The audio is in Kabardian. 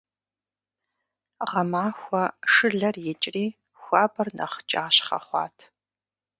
Гъэмахуэ шылэр икӀри, хуабэр нэхъ кӀащхъэ хъуат.